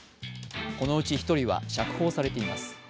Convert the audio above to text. このうち１人は釈放されています。